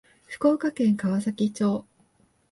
福岡県川崎町